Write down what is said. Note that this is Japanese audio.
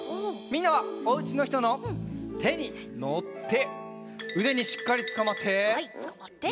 みんなはおうちのひとのてにのってうでにしっかりつかまって。